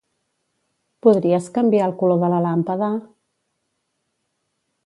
Podries canviar el color de la làmpada?